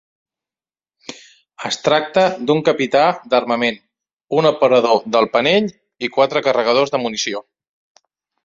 Es tracta d'un capità d'armament, un operador del panell i quatre carregadors de munició.